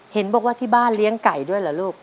เห็นบอกว่าที่บ้านเลี้ยงไก่ด้วยเหรอลูก